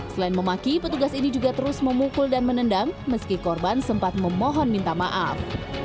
selain memaki petugas ini juga terus memukul dan menendang meski korban sempat memohon minta maaf